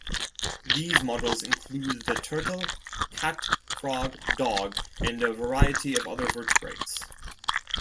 These models include the turtle, cat, frog, dog, and a variety of other vertebrates.